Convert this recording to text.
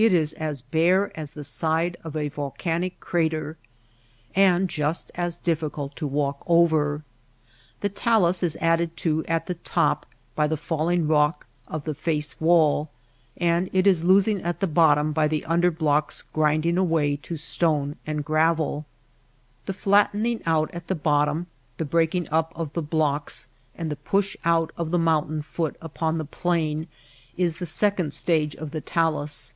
It is as bare as the side of a volcanic crater. And just as diffi cult to walk over. The talus is added to at the top by the falling rock of the face wall, and it THE MAKE OP THE DESERT 39 is losing at the bottom by the under blocks grinding away to stone and gravel. The flat tening out at the bottom, the breaking up of the blocks, and the push out of the mountain foot upon the plain is the second stage of the talus.